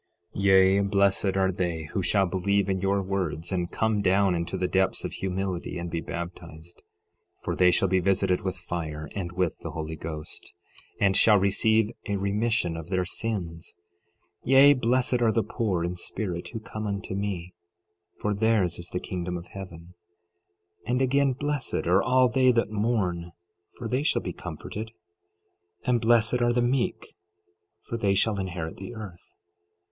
Yea, blessed are they who shall believe in your words, and come down into the depths of humility and be baptized, for they shall be visited with fire and with the Holy Ghost, and shall receive a remission of their sins. 12:3 Yea, blessed are the poor in spirit who come unto me, for theirs is the kingdom of heaven. 12:4 And again, blessed are all they that mourn, for they shall be comforted. 12:5 And blessed are the meek, for they shall inherit the earth.